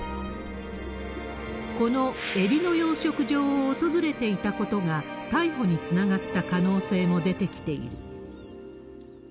このエビの養殖場を訪れていたことが、逮捕につながった可能性も出てきている。